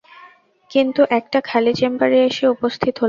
কিন্তু একটা খালি চেম্বারে এসে উপস্থিত হলাম।